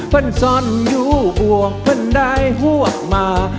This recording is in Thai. เพื่อนซ่อนอยู่บวกเพื่อนดายหวังมา